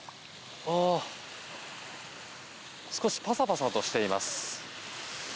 少しパサパサとしています。